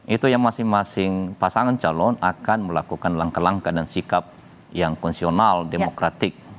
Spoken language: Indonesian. itu yang masing masing pasangan calon akan melakukan langkah langkah dan sikap yang konsional demokratik